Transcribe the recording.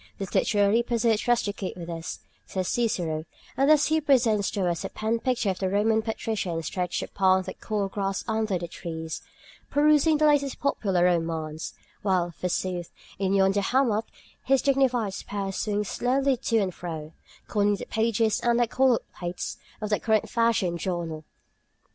"These literary pursuits rusticate with us," says Cicero, and thus he presents to us a pen picture of the Roman patrician stretched upon the cool grass under the trees, perusing the latest popular romance, while, forsooth, in yonder hammock his dignified spouse swings slowly to and fro, conning the pages and the colored plates of the current fashion journal.